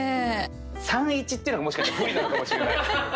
３−１っていうのがもしかしたら不利なのかもしれない。